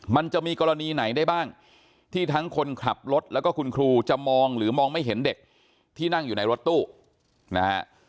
มันจะมีกรณีไหนได้บ้างที่ทั้งคนขับรถแล้วก็คุณครูจะมองหรือมองไม่เห็นเด็กที่นั่งอยู่ในรถตู้นะฮะ